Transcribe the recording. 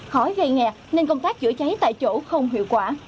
khói gây nghèo nên công tác chữa cháy tại chỗ không hiệu quả